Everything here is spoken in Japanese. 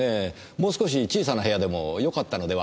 もう少し小さな部屋でもよかったのではありませんか？